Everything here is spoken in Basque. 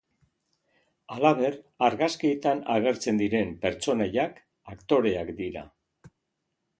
Halaber, argazkietan agertzen diren pertsonaiak aktoreak dira.